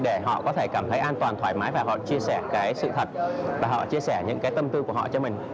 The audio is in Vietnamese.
để họ có thể cảm thấy an toàn thoải mái và họ chia sẻ cái sự thật là họ chia sẻ những cái tâm tư của họ cho mình